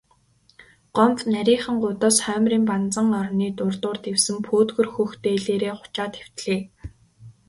Гомбо нарийхан гудас хоймрын банзан орны урдуур дэвсэн пөөдгөр хөх дээлээрээ хучаад хэвтлээ.